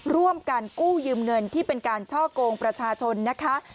ร่วมกันกู้ยืมเงินที่เป็นการช่อกงประชาชนนะคะ